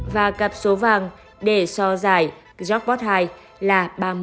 và cặp số vàng để so dài jackpot hai là ba mươi một